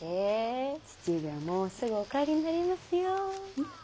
父上はもうすぐお帰りになりますよ。